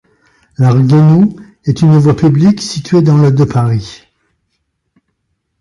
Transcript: La rue Guénot est une voie publique située dans le de Paris.